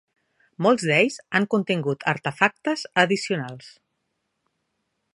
Molts d'ells han contingut artefactes addicionals.